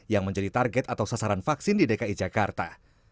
yang menjadi target atau sasaran vaksin di dki jakarta